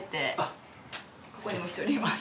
ここにも１人います。